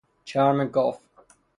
چرم گاو